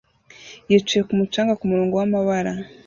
yicaye kumu canga kumurongo wamabara